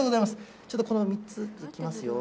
ちょっとこの３つ、いきますよ。